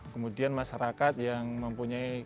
kemudian masyarakat yang mempunyai